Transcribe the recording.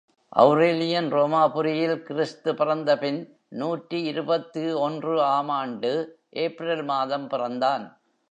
Aurelian ரோமாபுரியில் கிறிஸ்து பிறந்தபின் நூற்றி இருபத்தொன்று ஆம் ஆண்டு ஏப்ரல் மாதம் பிறந்தான்.